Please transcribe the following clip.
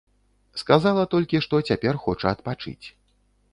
Сказала толькі, што цяпер хоча адпачыць.